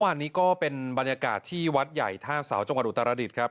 วันนี้ก็เป็นบรรยากาศที่วัดใหญ่ท่าเสาจังหวัดอุตรดิษฐ์ครับ